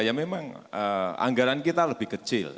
ya memang anggaran kita lebih kecil